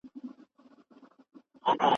د پوهنتون اصول د هر چا لپاره یو ډول دي.